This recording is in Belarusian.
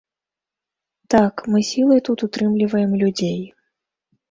Так, мы сілай тут утрымліваем людзей.